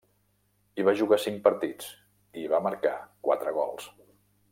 Hi va jugar cinc partits, i hi va marcar quatre gols.